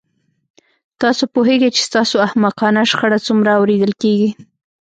تاسو پوهیږئ چې ستاسو احمقانه شخړه څومره اوریدل کیږي